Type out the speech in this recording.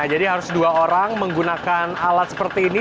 jadi harus dua orang menggunakan alat seperti ini